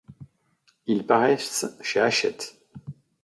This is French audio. Ils paraissent chez Hachette.